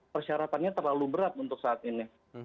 persyaratannya terlalu berat untuk saat ini